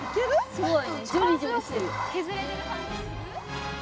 すごい！